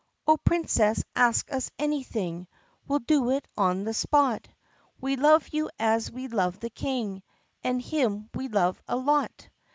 "Oh, Princess, ask us anything, We 'll do it on the spot ! We love you as we love the King, And him we love a lot!